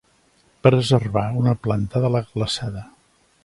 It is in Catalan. Preservar una planta de la glaçada.